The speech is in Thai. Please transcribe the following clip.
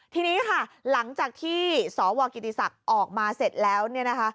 ทีนี้ค่ะหลังจากที่สวกิติศักดิ์ออกมาเสร็จแล้วเนี่ยนะคะ